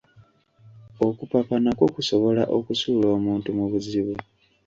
Okupapa nakwo kusobola okusuula omuntu mu bizibu.